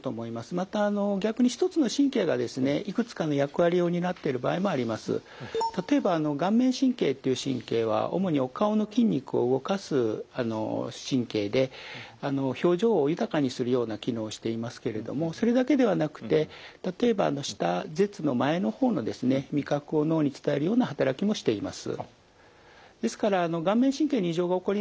またあの逆に例えば顔面神経っていう神経は主にお顔の筋肉を動かす神経で表情を豊かにするような機能をしていますけれどもそれだけではなくて例えばような働きもしています。